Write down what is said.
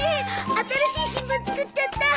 新しい新聞作っちゃった。